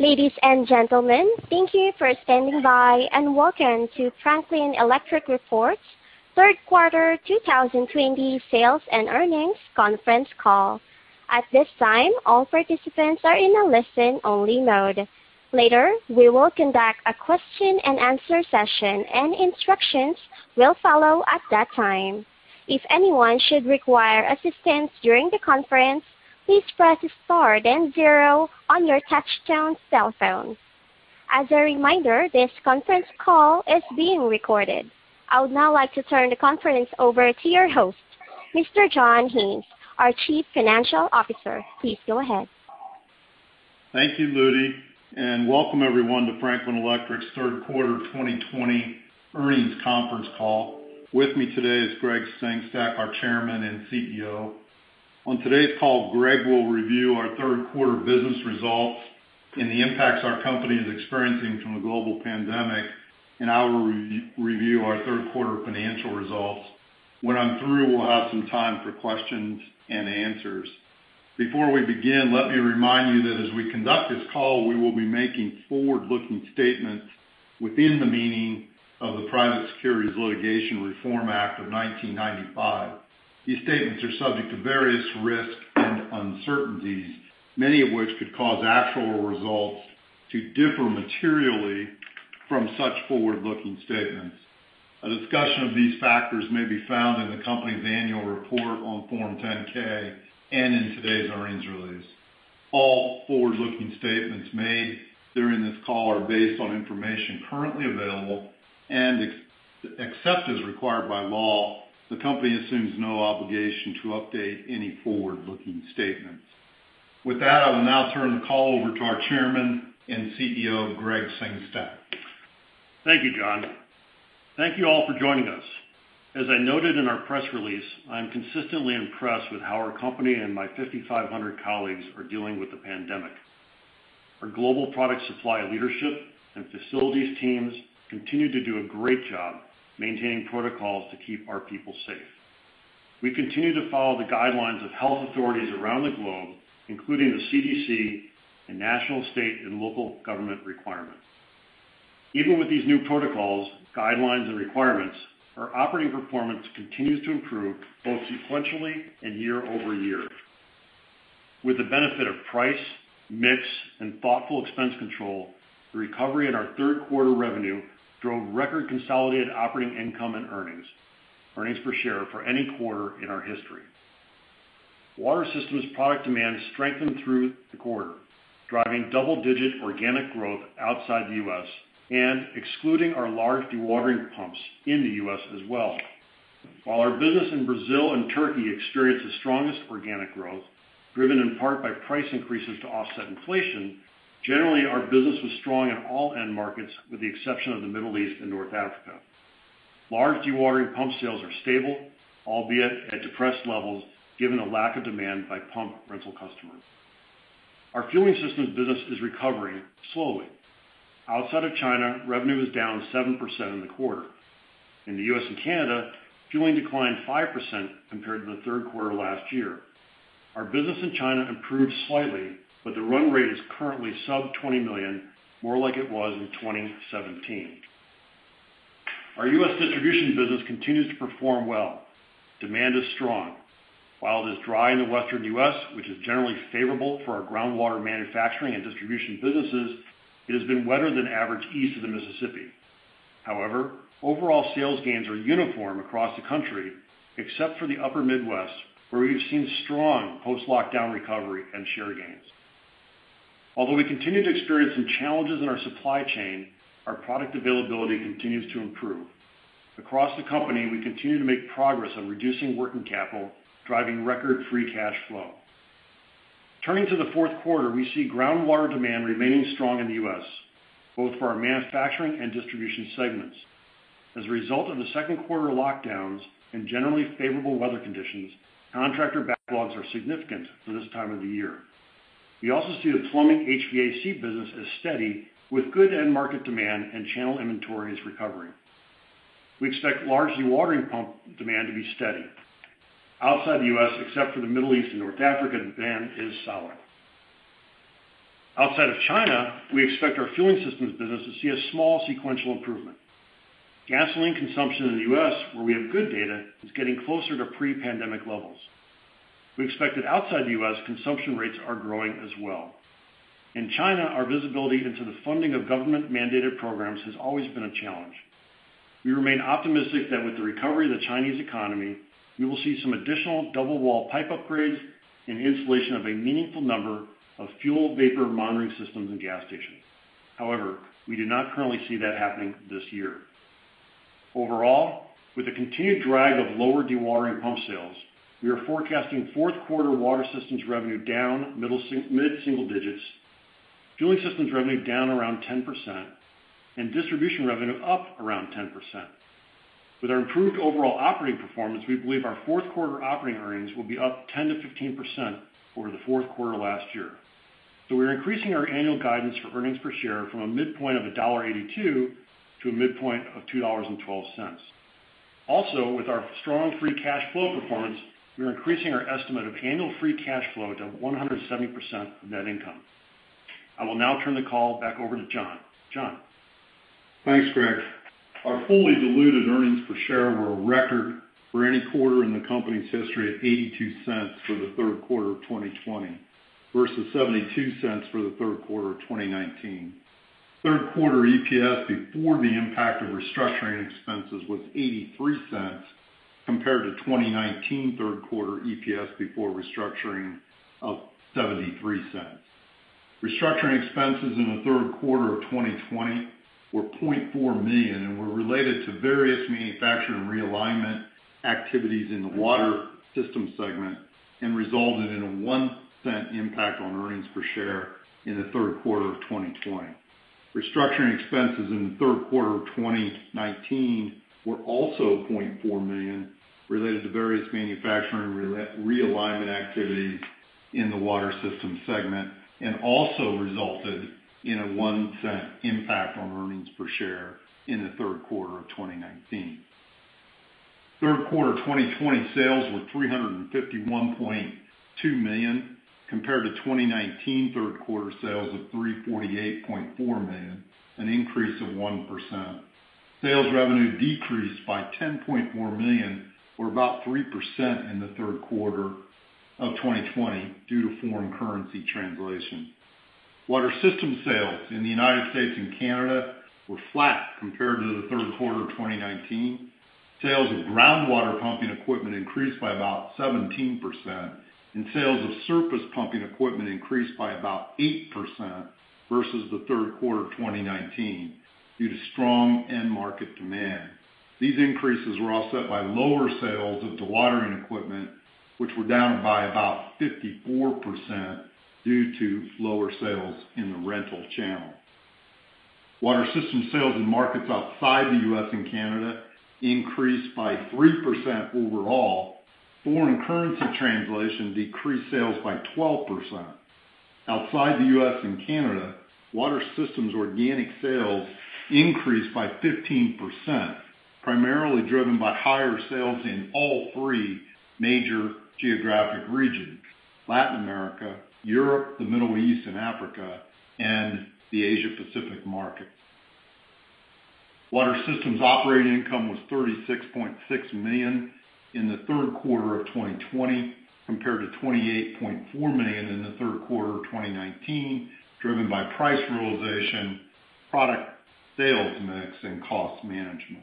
Ladies and gentlemen, thank you for standing by and welcome to Franklin Electric Reports Third Quarter 2020 Sales and Earnings Conference Call. At this time, all participants are in a listen-only mode. Later, we will conduct a question-and-answer session, and instructions will follow at that time. If anyone should require assistance during the conference, please press star then zero on your touch-tone cell phone. As a reminder, this conference call is being recorded. I would now like to turn the conference over to your host, Mr. John Haines, our Chief Financial Officer. Please go ahead. Thank you, Ludy, and welcome everyone to Franklin Electric's third quarter 2020 earnings conference call. With me today is Gregg Sengstack, our chairman and CEO. On today's call, Gregg will review our third quarter business results and the impacts our company is experiencing from the global pandemic, and I will re-review our third quarter financial results. When I'm through, we'll have some time for questions and answers. Before we begin, let me remind you that as we conduct this call, we will be making forward-looking statements within the meaning of the Private Securities Litigation Reform Act of 1995. These statements are subject to various risks and uncertainties, many of which could cause actual results to differ materially from such forward-looking statements. A discussion of these factors may be found in the company's annual report on Form 10-K and in today's earnings release. All forward-looking statements made during this call are based on information currently available, and except as required by law, the company assumes no obligation to update any forward-looking statements. With that, I will now turn the call over to our Chairman and CEO, Gregg Sengstack. Thank you, John. Thank you all for joining us. As I noted in our press release, I am consistently impressed with how our company and my 5,500 colleagues are dealing with the pandemic. Our global product supply leadership and facilities teams continue to do a great job maintaining protocols to keep our people safe. We continue to follow the guidelines of health authorities around the globe, including the CDC, and national, state, and local government requirements. Even with these new protocols, guidelines, and requirements, our operating performance continues to improve both sequentially and year-over-year. With the benefit of price, mix, and thoughtful expense control, the recovery in our third quarter revenue drove record consolidated operating income and earnings, earnings per share, for any quarter in our history. Water Systems product demand strengthened through the quarter, driving double-digit organic growth outside the U.S. excluding our large dewatering pumps in the U.S. as well. While our business in Brazil and Turkey experienced the strongest organic growth, driven in part by price increases to offset inflation, generally our business was strong in all end markets, with the exception of the Middle East and North Africa. Large dewatering pump sales are stable, albeit at depressed levels given a lack of demand by pump rental customers. Our fueling systems business is recovering slowly. Outside of China, revenue is down 7% in the quarter. In the U.S. and Canada, fueling declined 5% compared to the third quarter last year. Our business in China improved slightly, but the run rate is currently sub-$20 million, more like it was in 2017. Our U.S. distribution business continues to perform well. Demand is strong. While it is dry in the western U.S., which is generally favorable for our groundwater manufacturing and distribution businesses, it has been wetter than average east of the Mississippi. However, overall sales gains are uniform across the country, except for the upper Midwest, where we've seen strong post-lockdown recovery and share gains. Although we continue to experience some challenges in our supply chain, our product availability continues to improve. Across the company, we continue to make progress on reducing working capital, driving record free cash flow. Turning to the fourth quarter, we see groundwater demand remaining strong in the U.S., both for our manufacturing and distribution segments. As a result of the second quarter lockdowns and generally favorable weather conditions, contractor backlogs are significant for this time of the year. We also see the plumbing HVAC business as steady, with good end market demand and channel inventory as recovering. We expect large dewatering pump demand to be steady. Outside the U.S., except for the Middle East and North Africa, demand is solid. Outside of China, we expect our fueling systems business to see a small sequential improvement. Gasoline consumption in the U.S., where we have good data, is getting closer to pre-pandemic levels. We expect that outside the U.S., consumption rates are growing as well. In China, our visibility into the funding of government-mandated programs has always been a challenge. We remain optimistic that with the recovery of the Chinese economy, we will see some additional double-wall pipe upgrades and installation of a meaningful number of fuel vapor monitoring systems in gas stations. However, we do not currently see that happening this year. Overall, with a continued drag of lower dewatering pump sales, we are forecasting fourth quarter water systems revenue down mid-single digits, fueling systems revenue down around 10%, and distribution revenue up around 10%. With our improved overall operating performance, we believe our fourth quarter operating earnings will be up 10%-15% over the fourth quarter last year. So we are increasing our annual guidance for earnings per share from a midpoint of $1.82 to a midpoint of $2.12. Also, with our strong free cash flow performance, we are increasing our estimate of annual free cash flow to 170% of net income. I will now turn the call back over to John. John. Thanks, Gregg. Our fully diluted earnings per share were a record for any quarter in the company's history at $0.82 for the third quarter of 2020 versus $0.72 for the third quarter of 2019. Third quarter EPS before the impact of restructuring expenses was $0.83 compared to 2019 third quarter EPS before restructuring of $0.73. Restructuring expenses in the third quarter of 2020 were $0.4 million and were related to various manufacturing realignment activities in the Water Systems segment and resulted in a $0.01 impact on earnings per share in the third quarter of 2020. Restructuring expenses in the third quarter of 2019 were also $0.4 million related to various manufacturing realignment activities in the Water Systems segment and also resulted in a $0.01 impact on earnings per share in the third quarter of 2019. Third quarter 2020 sales were $351.2 million compared to 2019 third quarter sales of $348.4 million, an increase of 1%. Sales revenue decreased by $10.4 million or about 3% in the third quarter of 2020 due to foreign currency translation. Water Systems sales in the United States and Canada were flat compared to the third quarter of 2019. Sales of groundwater pumping equipment increased by about 17%, and sales of surface pumping equipment increased by about 8% versus the third quarter of 2019 due to strong end market demand. These increases were offset by lower sales of dewatering equipment, which were down by about 54% due to lower sales in the rental channel. Water Systems sales in markets outside the U.S. and Canada increased by 3% overall. Foreign currency translation decreased sales by 12%. Outside the U.S. and Canada, Water Systems organic sales increased by 15%, primarily driven by higher sales in all three major geographic regions: Latin America, Europe, the Middle East, and Africa, and the Asia-Pacific markets. Water Systems operating income was $36.6 million in the third quarter of 2020 compared to $28.4 million in the third quarter of 2019, driven by price realization, product sales mix, and cost management.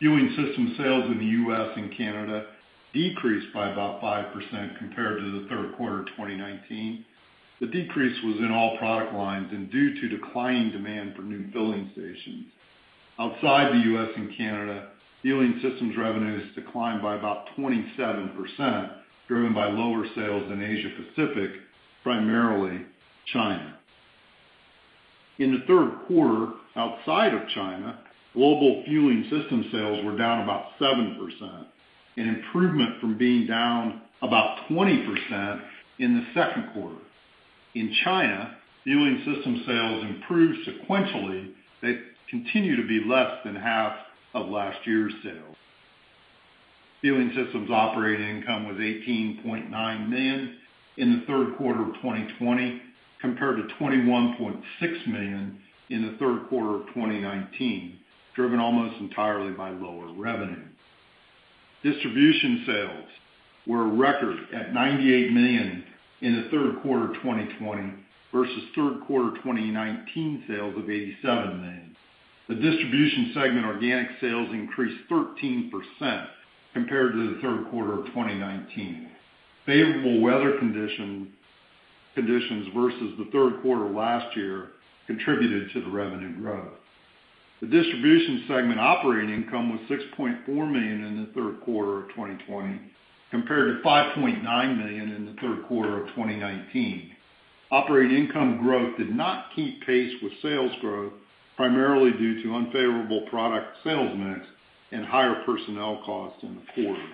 Fueling Systems sales in the U.S. and Canada decreased by about 5% compared to the third quarter of 2019. The decrease was in all product lines and due to declining demand for new filling stations. Outside the U.S. and Canada, Fueling Systems revenues declined by about 27%, driven by lower sales in Asia-Pacific, primarily China. In the third quarter outside of China, global Fueling System sales were down about 7%, an improvement from being down about 20% in the second quarter. In China, Fueling System sales improved sequentially but continue to be less than half of last year's sales. Fueling Systems operating income was $18.9 million in the third quarter of 2020 compared to $21.6 million in the third quarter of 2019, driven almost entirely by lower revenue. Distribution sales were a record at $98 million in the third quarter of 2020 versus third quarter 2019 sales of $87 million. The Distribution segment organic sales increased 13% compared to the third quarter of 2019. Favorable weather conditions versus the third quarter last year contributed to the revenue growth. The Distribution segment operating income was $6.4 million in the third quarter of 2020 compared to $5.9 million in the third quarter of 2019. Operating income growth did not keep pace with sales growth, primarily due to unfavorable product sales mix and higher personnel costs in the quarter.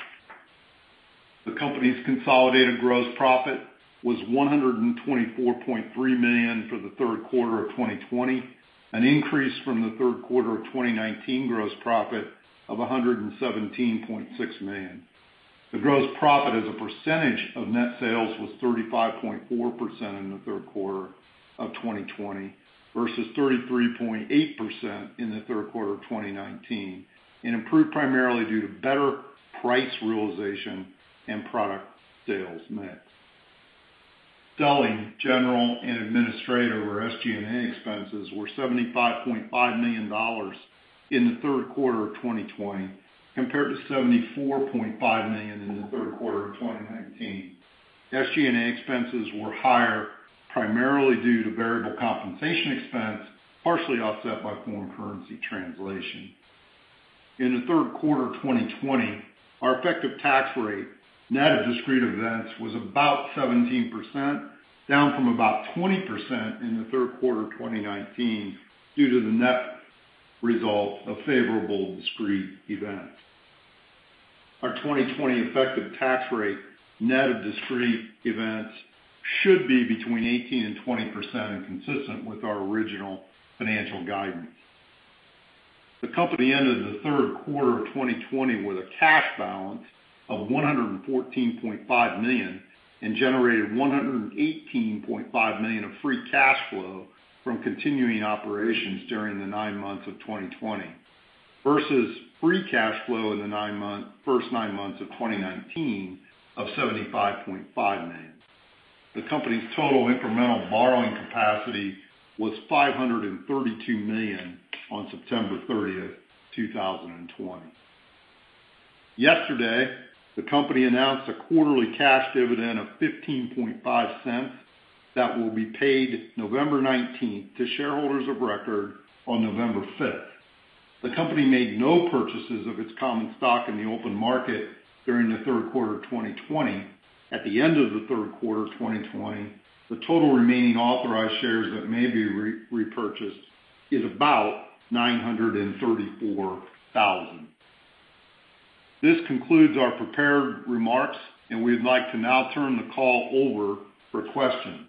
The company's consolidated gross profit was $124.3 million for the third quarter of 2020, an increase from the third quarter of 2019 gross profit of $117.6 million. The gross profit as a percentage of net sales was 35.4% in the third quarter of 2020 versus 33.8% in the third quarter of 2019, an improvement primarily due to better price realization and product sales mix. Selling, general, and administrative or SG&A expenses were $75.5 million in the third quarter of 2020 compared to $74.5 million in the third quarter of 2019. SG&A expenses were higher primarily due to variable compensation expense, partially offset by foreign currency translation. In the third quarter of 2020, our effective tax rate net of discrete events was about 17%, down from about 20% in the third quarter of 2019 due to the net result of favorable discrete events. Our 2020 effective tax rate net of discrete events should be between 18% and 20% and consistent with our original financial guidance. The company ended the third quarter of 2020 with a cash balance of $114.5 million and generated $118.5 million of free cash flow from continuing operations during the nine months of 2020 versus free cash flow in the first nine months of 2019 of $75.5 million. The company's total incremental borrowing capacity was $532 million on September 30th, 2020. Yesterday, the company announced a quarterly cash dividend of $0.15 that will be paid November 19th to shareholders of record on November 5th. The company made no purchases of its common stock in the open market during the third quarter of 2020. At the end of the third quarter of 2020, the total remaining authorized shares that may be repurchased is about $934,000. This concludes our prepared remarks, and we would like to now turn the call over for questions.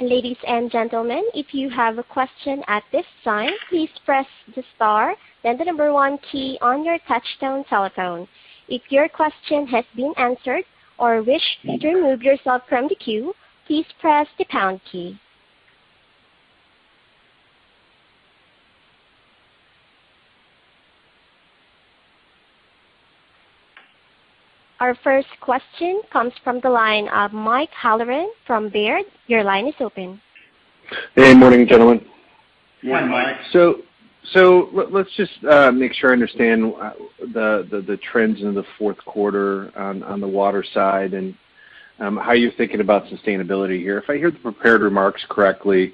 Ladies and gentlemen, if you have a question at this time, please press the star, then the number one key on your touch-tone telephone. If your question has been answered or wish to remove yourself from the queue, please press the pound key. Our first question comes from the line of Mike Halloran from Baird. Your line is open. Hey, morning, gentlemen. Morning, Mike. Let's just make sure I understand the trends in the fourth quarter on the water side and how you're thinking about sustainability here. If I hear the prepared remarks correctly,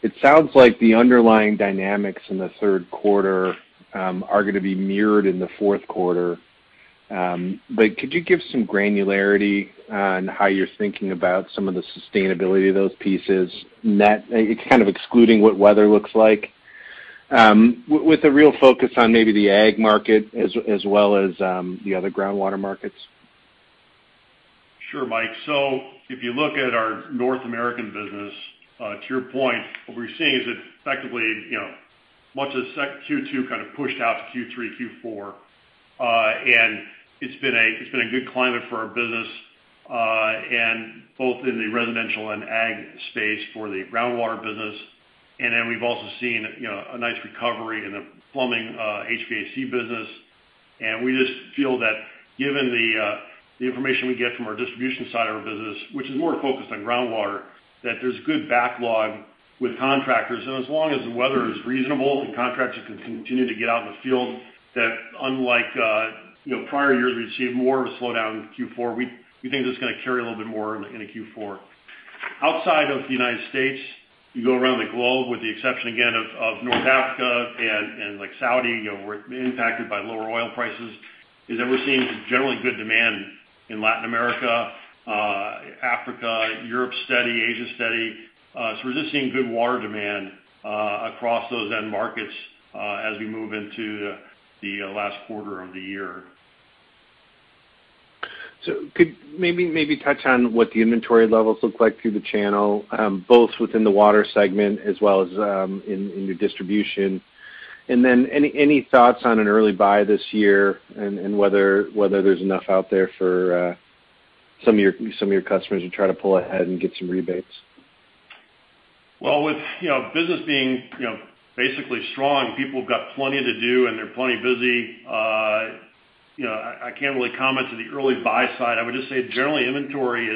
it sounds like the underlying dynamics in the third quarter are going to be mirrored in the fourth quarter. But could you give some granularity on how you're thinking about some of the sustainability of those pieces, kind of excluding what weather looks like, with a real focus on maybe the ag market as well as the other groundwater markets? Sure, Mike. So if you look at our North American business, to your point, what we're seeing is effectively much of Q2 kind of pushed out to Q3, Q4. And it's been a good climate for our business, both in the residential and ag space for the groundwater business. And then we've also seen a nice recovery in the plumbing HVAC business. And we just feel that given the information we get from our distribution side of our business, which is more focused on groundwater, that there's good backlog with contractors. And as long as the weather is reasonable and contractors can continue to get out in the field, that unlike prior years, we received more of a slowdown in Q4, we think that's going to carry a little bit more in Q4. Outside of the United States, you go around the globe with the exception, again, of North Africa and Saudi, we're impacted by lower oil prices. That is, we're seeing generally good demand in Latin America, Africa, Europe steady, Asia steady. So we're just seeing good water demand across those end markets as we move into the last quarter of the year. Maybe touch on what the inventory levels look like through the channel, both within the water segment as well as in your distribution. Then any thoughts on an early buy this year and whether there's enough out there for some of your customers to try to pull ahead and get some rebates? Well, with business being basically strong, people have got plenty to do and they're plenty busy. I can't really comment to the early buy side. I would just say generally, inventory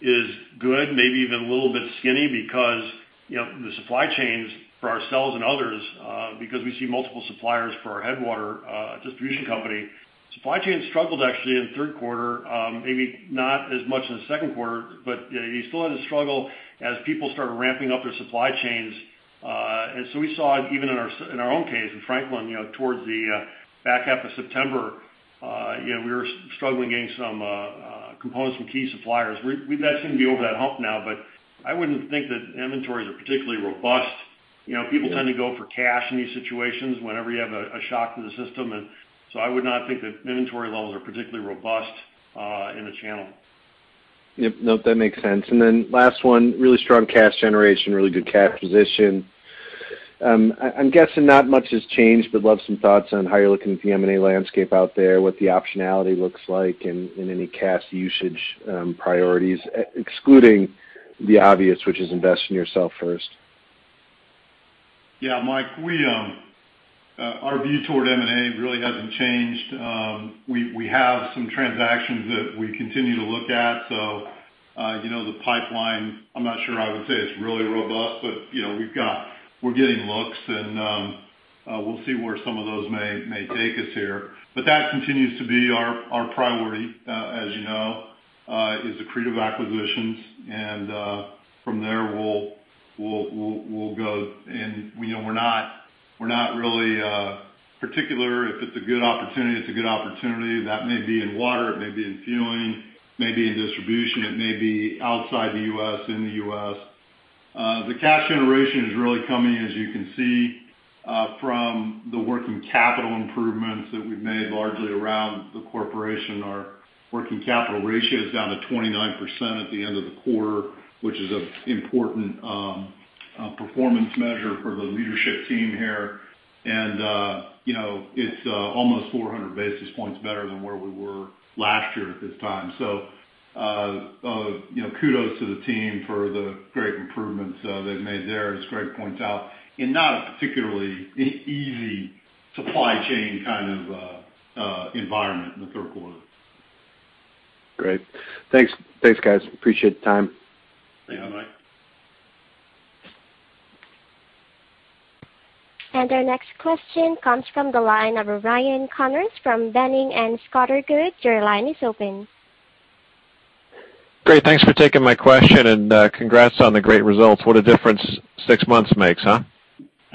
is good, maybe even a little bit skinny because the supply chains for ourselves and others, because we see multiple suppliers for our Water distribution company, supply chains struggled actually in the third quarter, maybe not as much in the second quarter, but you still had to struggle as people started ramping up their supply chains. And so we saw even in our own case with Franklin, towards the back half of September, we were struggling getting some components from key suppliers. That seemed to be over that hump now, but I wouldn't think that inventories are particularly robust. People tend to go for cash in these situations whenever you have a shock to the system. I would not think that inventory levels are particularly robust in the channel. Yep. Nope, that makes sense. And then last one, really strong cash generation, really good cash position. I'm guessing not much has changed, but love some thoughts on how you're looking at the M&A landscape out there, what the optionality looks like in any cash usage priorities, excluding the obvious, which is invest in yourself first. Yeah, Mike, our view toward M&A really hasn't changed. We have some transactions that we continue to look at. So the pipeline, I'm not sure I would say it's really robust, but we're getting looks, and we'll see where some of those may take us here. But that continues to be our priority, as you know, is accretive acquisitions. And from there, we'll go. And we're not really particular if it's a good opportunity, it's a good opportunity. That may be in water, it may be in fueling, may be in distribution, it may be outside the U.S., in the U.S. The cash generation is really coming, as you can see, from the working capital improvements that we've made largely around the corporation. Our working capital ratio is down to 29% at the end of the quarter, which is an important performance measure for the leadership team here. It's almost 400 basis points better than where we were last year at this time. So kudos to the team for the great improvements they've made there, as Gregg points out, in not a particularly easy supply chain kind of environment in the third quarter. Great. Thanks, guys. Appreciate the time. Thank you, Mike. Our next question comes from the line of Ryan Connors from Boenning & Scattergood. Your line is open. Great. Thanks for taking my question, and congrats on the great results. What a difference six months makes, huh?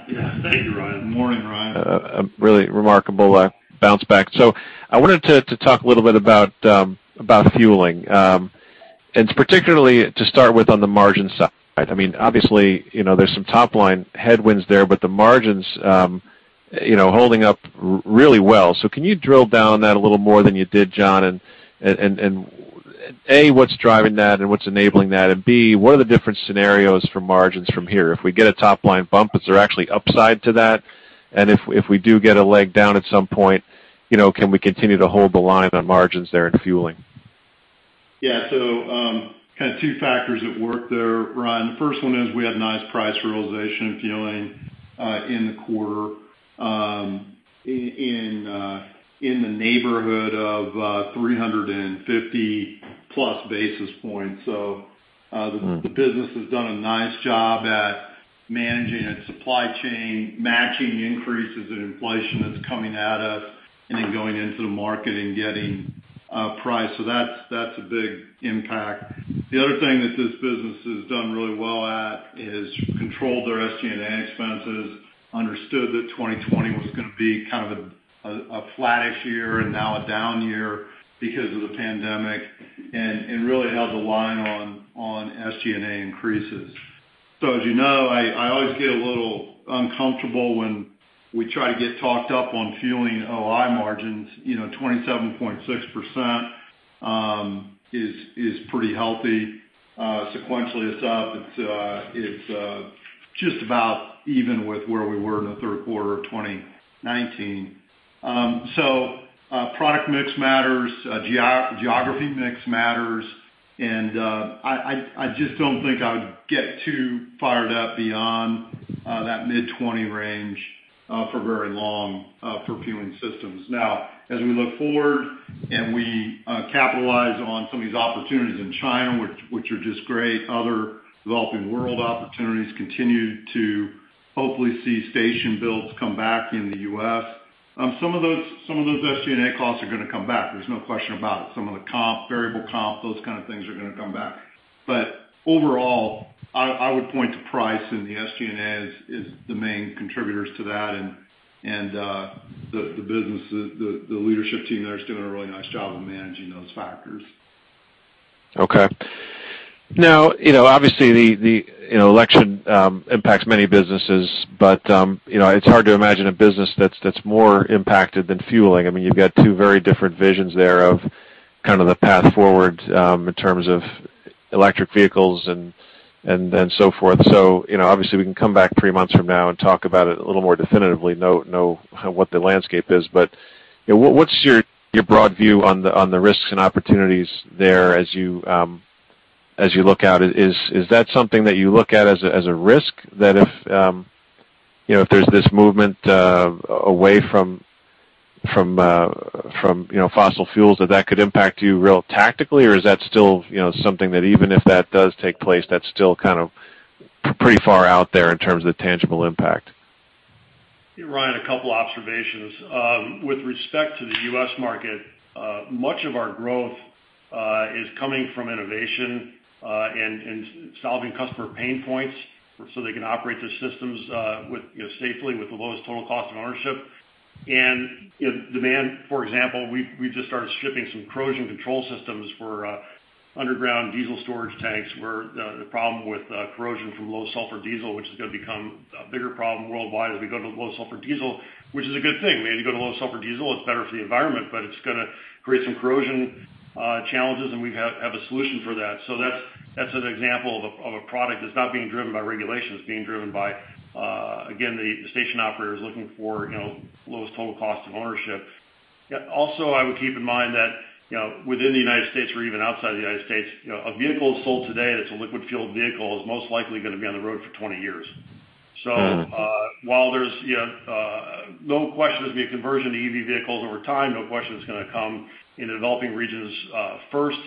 Yeah. Thank you, Ryan. Morning, Ryan. A really remarkable bounce back. So I wanted to talk a little bit about fueling, and particularly to start with on the margin side. I mean, obviously, there's some top-line headwinds there, but the margins holding up really well. So can you drill down on that a little more than you did, John? And A, what's driving that and what's enabling that? And B, what are the different scenarios for margins from here? If we get a top-line bump, is there actually upside to that? And if we do get a leg down at some point, can we continue to hold the line on margins there in fueling? Yeah. So kind of two factors at work there, Ryan. The first one is we had nice price realization in fueling in the quarter in the neighborhood of 350-plus basis points. So the business has done a nice job at managing its supply chain, matching increases in inflation that's coming at us, and then going into the market and getting price. So that's a big impact. The other thing that this business has done really well at is controlled their SG&A expenses, understood that 2020 was going to be kind of a flat-ish year and now a down year because of the pandemic, and really held the line on SG&A increases. So as you know, I always get a little uncomfortable when we try to get talked up on fueling OI margins. 27.6% is pretty healthy. Sequentially, it's up. It's just about even with where we were in the third quarter of 2019. So product mix matters, geography mix matters, and I just don't think I would get too fired up beyond that mid-20 range for very long for fueling systems. Now, as we look forward and we capitalize on some of these opportunities in China, which are just great, other developing world opportunities continue to hopefully see station builds come back in the U.S. Some of those SG&A costs are going to come back. There's no question about it. Some of the comp, variable comp, those kind of things are going to come back. But overall, I would point to price and the SG&A as the main contributors to that. And the business, the leadership team there is doing a really nice job of managing those factors. Okay. Now, obviously, the election impacts many businesses, but it's hard to imagine a business that's more impacted than fueling. I mean, you've got two very different visions there of kind of the path forward in terms of electric vehicles and so forth. So obviously, we can come back three months from now and talk about it a little more definitively, know what the landscape is. But what's your broad view on the risks and opportunities there as you look out? Is that something that you look at as a risk that if there's this movement away from fossil fuels, that that could impact you really tactically? Or is that still something that even if that does take place, that's still kind of pretty far out there in terms of the tangible impact? Here, Ryan, a couple of observations. With respect to the U.S. market, much of our growth is coming from innovation and solving customer pain points so they can operate their systems safely with the lowest total cost of ownership. And demand, for example, we've just started shipping some corrosion control systems for underground diesel storage tanks where the problem with corrosion from low-sulfur diesel, which is going to become a bigger problem worldwide as we go to low-sulfur diesel, which is a good thing. We need to go to low-sulfur diesel. It's better for the environment, but it's going to create some corrosion challenges, and we have a solution for that. So that's an example of a product that's not being driven by regulation, it's being driven by, again, the station operator is looking for lowest total cost of ownership. Also, I would keep in mind that within the United States or even outside the United States, a vehicle sold today that's a liquid-fueled vehicle is most likely going to be on the road for 20 years. So while there's no question there's going to be a conversion to EV vehicles over time, no question it's going to come in developing regions first,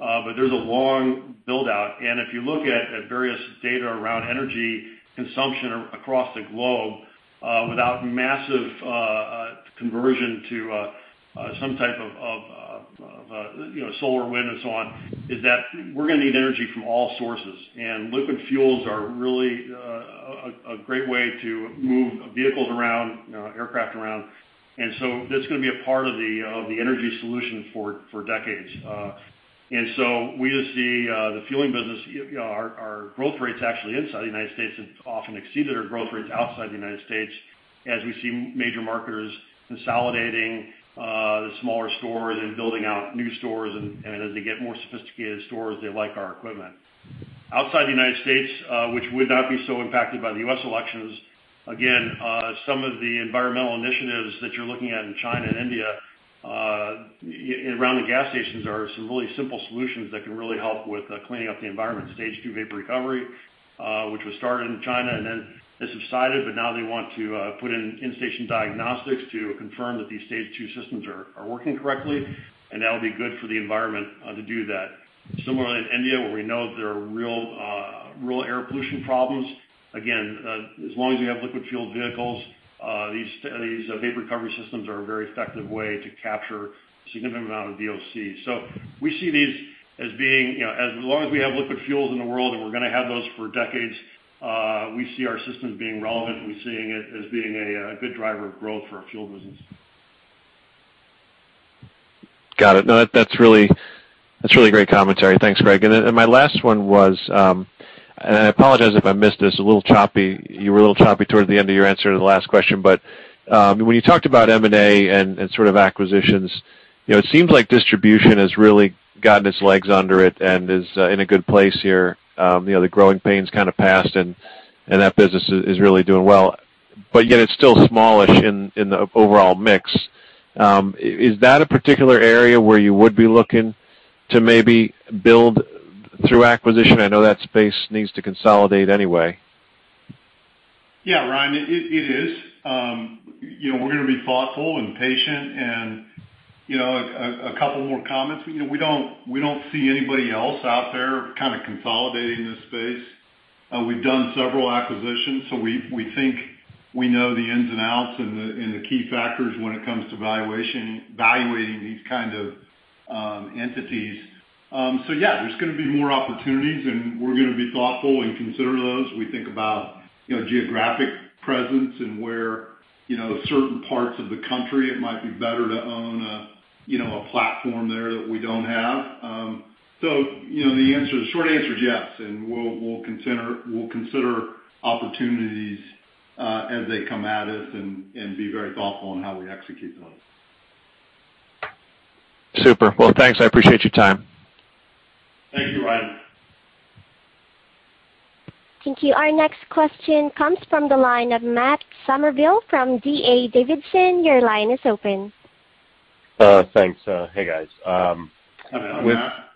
but there's a long buildout. And if you look at various data around energy consumption across the globe without massive conversion to some type of solar, wind, and so on, is that we're going to need energy from all sources. And liquid fuels are really a great way to move vehicles around, aircraft around. And so that's going to be a part of the energy solution for decades. We just see the fueling business, our growth rates actually inside the United States have often exceeded our growth rates outside the United States as we see major marketers consolidating the smaller stores and building out new stores. As they get more sophisticated stores, they like our equipment. Outside the United States, which would not be so impacted by the U.S. elections, again, some of the environmental initiatives that you're looking at in China and India around the gas stations are some really simple solutions that can really help with cleaning up the environment, Stage II vapor recovery, which was started in China and then has subsided, but now they want to put in in-station diagnostics to confirm that these Stage II systems are working correctly, and that'll be good for the environment to do that. Similarly, in India, where we know there are real air pollution problems, again, as long as we have liquid-fueled vehicles, these vapor recovery systems are a very effective way to capture a significant amount of VOC. So we see these as being as long as we have liquid fuels in the world and we're going to have those for decades, we see our systems being relevant. We're seeing it as being a good driver of growth for our fuel business. Got it. No, that's really great commentary. Thanks, Gregg. And my last one was, and I apologize if I missed this, a little choppy. You were a little choppy towards the end of your answer to the last question. But when you talked about M&A and sort of acquisitions, it seems like distribution has really gotten its legs under it and is in a good place here. The growing pains kind of past, and that business is really doing well. But yet, it's still smallish in the overall mix. Is that a particular area where you would be looking to maybe build through acquisition? I know that space needs to consolidate anyway. Yeah, Ryan, it is. We're going to be thoughtful and patient. And a couple more comments. We don't see anybody else out there kind of consolidating this space. We've done several acquisitions, so we think we know the ins and outs and the key factors when it comes to valuating these kind entities. So yeah, there's going to be more opportunities, and we're going to be thoughtful and consider those. We think about geographic presence and where certain parts of the country it might be better to own a platform there that we don't have. So the answer, the short answer is yes, and we'll consider opportunities as they come at us and be very thoughtful on how we execute those. Super. Well, thanks. I appreciate your time. Thank you, Ryan. Thank you. Our next question comes from the line of Matt Summerville from D.A. Davidson. Your line is open. Thanks. Hey, guys. Hi, Matt.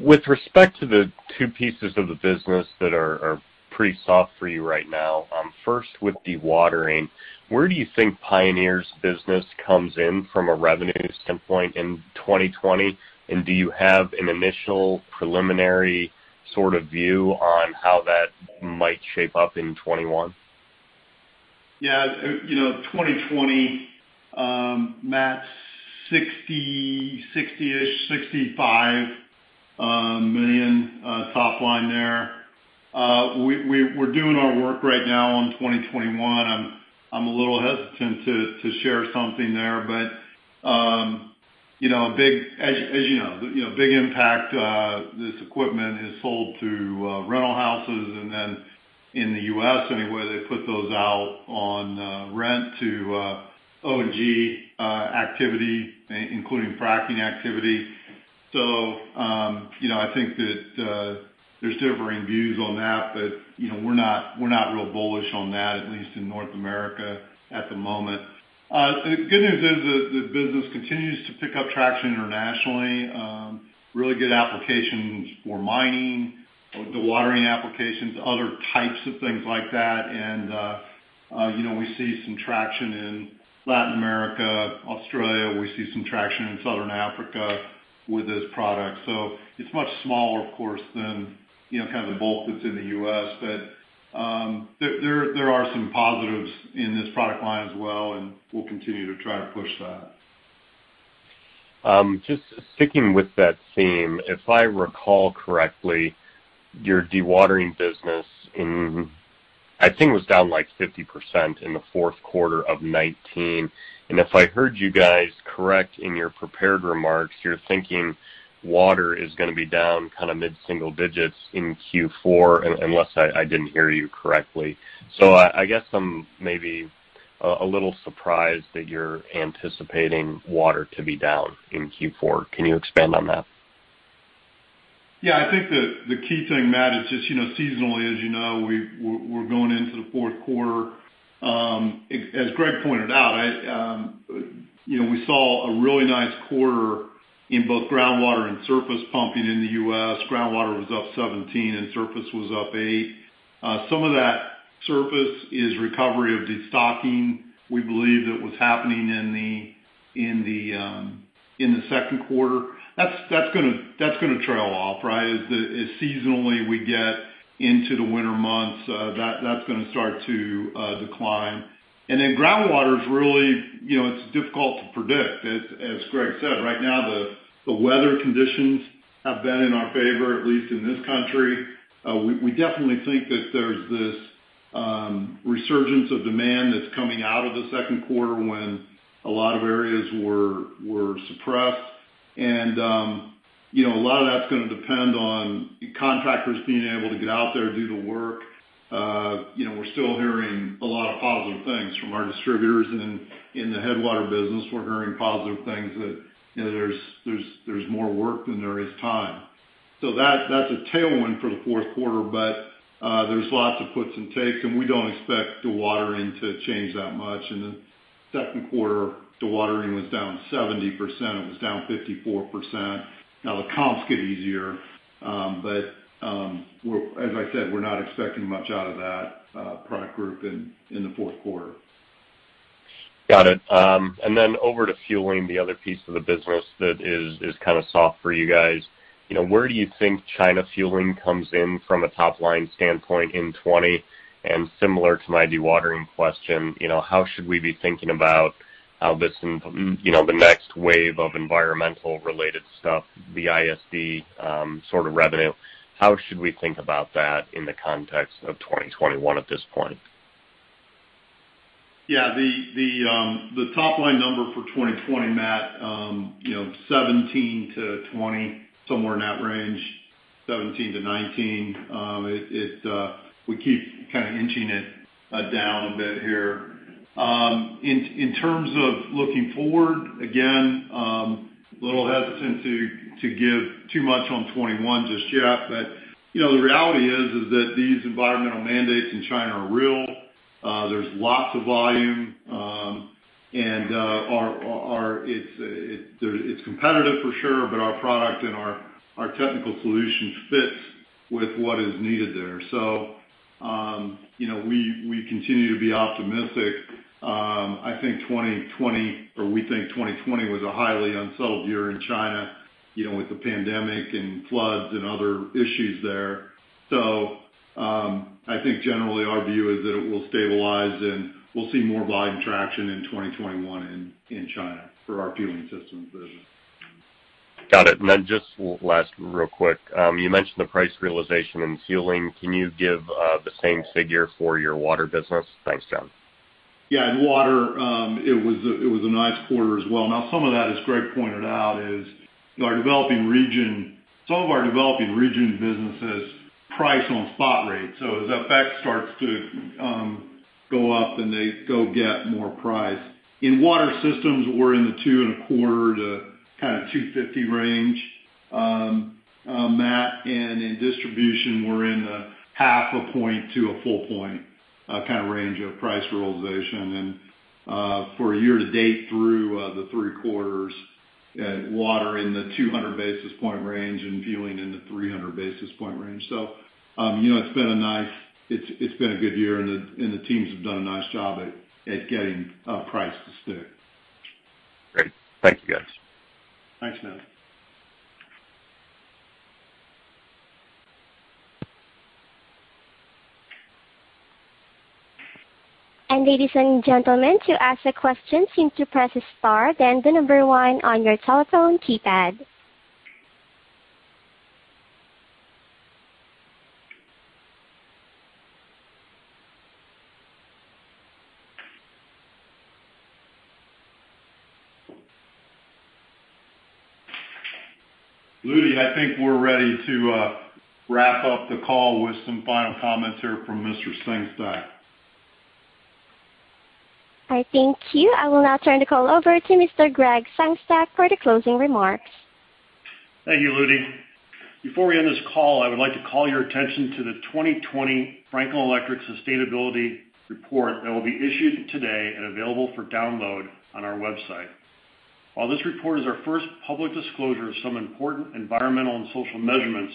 With respect to the two pieces of the business that are pretty soft for you right now, first with the water, where do you think Pioneer's business comes in from a revenue standpoint in 2020? And do you have an initial preliminary sort of view on how that might shape up in 2021? Yeah. 2020, Matt's 60-ish, $65 million top-line there. We're doing our work right now on 2021. I'm a little hesitant to share something there, but as you know, big impact, this equipment is sold to rental houses, and then in the U.S. anyway, they put those out on rent to O&G activity, including fracking activity. So I think that there's differing views on that, but we're not real bullish on that, at least in North America at the moment. The good news is that the business continues to pick up traction internationally, really good applications for mining, the dewatering applications, other types of things like that. And we see some traction in Latin America, Australia. We see some traction in Southern Africa with this product. So it's much smaller, of course, than kind of the bulk that's in the U.S., but there are some positives in this product line as well, and we'll continue to try to push that. Just sticking with that theme, if I recall correctly, your dewatering business, I think, was down like 50% in the fourth quarter of 2019. If I heard you guys correct in your prepared remarks, you're thinking water is going to be down kind of mid-single digits in Q4, unless I didn't hear you correctly. I guess I'm maybe a little surprised that you're anticipating water to be down in Q4. Can you expand on that? Yeah. I think the key thing, Matt, is just seasonally, as you know, we're going into the fourth quarter. As Greg pointed out, we saw a really nice quarter in both groundwater and surface pumping in the U.S. Groundwater was up 17 and surface was up eight. Some of that surface is recovery of the stocking, we believe, that was happening in the second quarter. That's going to trail off, right? As seasonally we get into the winter months, that's going to start to decline. And then groundwater is really, it's difficult to predict. As Gregg said, right now, the weather conditions have been in our favor, at least in this country. We definitely think that there's this resurgence of demand that's coming out of the second quarter when a lot of areas were suppressed. A lot of that's going to depend on contractors being able to get out there and do the work. We're still hearing a lot of positive things from our distributors. In the water business, we're hearing positive things that there's more work than there is time. So that's a tailwind for the fourth quarter, but there's lots of puts and takes, and we don't expect dewatering to change that much. In the second quarter, dewatering was down 70%. It was down 54%. Now, the comps get easier, but as I said, we're not expecting much out of that product group in the fourth quarter. Got it. And then over to fueling, the other piece of the business that is kind of soft for you guys, where do you think China fueling comes in from a top-line standpoint in 2020? And similar to my dewatering question, how should we be thinking about how this and the next wave of environmental-related stuff, the ISD sort of revenue, how should we think about that in the context of 2021 at this point? Yeah. The top-line number for 2020, Matt, 17-20, somewhere in that range, 17-19. We keep kind of inching it down a bit here. In terms of looking forward, again, a little hesitant to give too much on 2021 just yet, but the reality is that these environmental mandates in China are real. There's lots of volume, and it's competitive for sure, but our product and our technical solution fits with what is needed there. So we continue to be optimistic. I think 2020, or we think 2020, was a highly unsettled year in China with the pandemic and floods and other issues there. So I think generally, our view is that it will stabilize, and we'll see more buying traction in 2021 in China for our fueling systems business. Got it. And then just last real quick, you mentioned the price realization in fueling. Can you give the same figure for your water business? Thanks, John. Yeah. And water, it was a nice quarter as well. Now, some of that, as Gregg pointed out, is our developing region some of our developing region businesses. Price on spot rate. So as that effect starts to go up, then they go get more price. In water systems, we're in the $2.25 to kind of $2.50 range, Matt, and in distribution, we're in the 0.5-point to a 1-point kind of range of price realization. And for a year to date through the three quarters, water in the 200 basis point range and fueling in the 300 basis point range. So it's been a good year, and the teams have done a nice job at getting price to stick. Great. Thank you, guys. Thanks, Matt. Ladies and gentlemen, to ask a question, please press star then the number one on your telephone keypad. Ludy, I think we're ready to wrap up the call with some final comments here from Mr. Sengstack. All right. Thank you. I will now turn the call over to Mr. Gregg Sengstack for the closing remarks. Thank you, Ludy. Before we end this call, I would like to call your attention to the 2020 Franklin Electric Sustainability Report that will be issued today and available for download on our website. While this report is our first public disclosure of some important environmental and social measurements,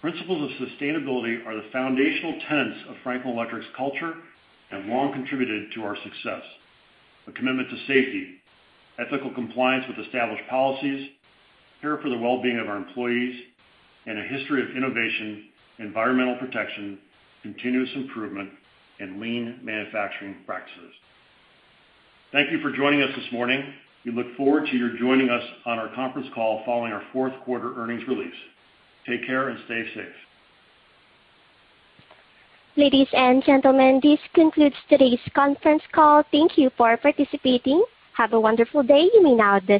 principles of sustainability are the foundational tenets of Franklin Electric's culture and have long contributed to our success: a commitment to safety, ethical compliance with established policies, care for the well-being of our employees, and a history of innovation, environmental protection, continuous improvement, and lean manufacturing practices. Thank you for joining us this morning. We look forward to your joining us on our conference call following our fourth quarter earnings release. Take care and stay safe. Ladies and gentlemen, this concludes today's conference call. Thank you for participating. Have a wonderful day. You may now.